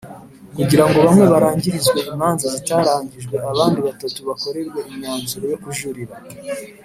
Kugirango bamwe barangirizwe imanza zitarangijwe abandi batatu bakorerwe imyanzuro yo kujurira